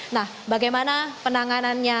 nah bagaimana penanganannya